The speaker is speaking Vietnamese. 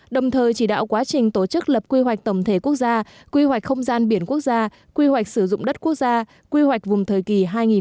đồng thời chỉ đạo quá trình tổ chức lập quy hoạch tổng thể quốc gia quy hoạch không gian biển quốc gia quy hoạch sử dụng đất quốc gia quy hoạch vùng thời kỳ hai nghìn hai mươi một hai nghìn ba mươi